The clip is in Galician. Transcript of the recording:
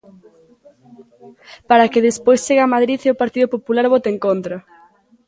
¡Para que despois chegue a Madrid e o partido popular vote en contra!